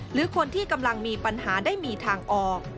หรือคนที่กำลังมีปัญหาได้มีทางออก